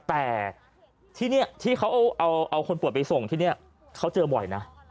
แต่ที่นี่ที่เขาเอาคนป่วยไปส่งที่นี่เขาเจอบ่อยนะ